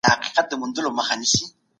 په ټولنه کې بې باوري خپره سوې ده.